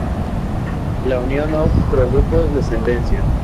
La unión no produjo descendencia.